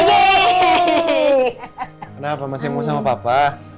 kenapa masih mau sama papa